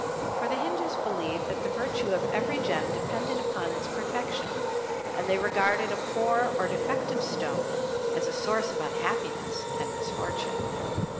For the Hindus believed that the virtue of every gem depended upon its perfection, and they regarded a poor or defective stone as a source of unhappiness and misfortune.